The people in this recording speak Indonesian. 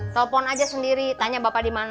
telepon aja sendiri tanya bapak di mana